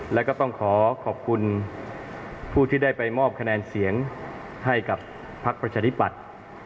แล้วก็ต้องขอขอบคุณผู้ที่ได้ไปมอบคะแนนเสียงให้กับพักประชาธิปัตย์